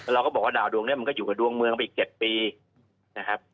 เราก็บอกว่าดาวดวงนี้มันก็อยู่กับดวงเมืองไปอีก๗ปีนะครับ